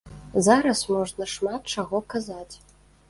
Зараз можна шмат чаго казаць.